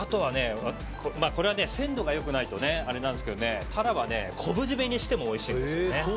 これは鮮度がよくないとあれなんですけどタラは昆布締めにしてもおいしいんですね。